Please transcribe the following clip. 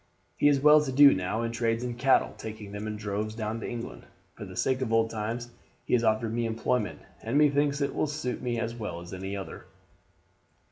He is well to do now, and trades in cattle, taking them in droves down into England. For the sake of old times he has offered me employment, and methinks it will suit me as well as any other."